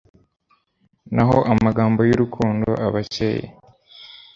naho amagambo y'urukundo aba akeye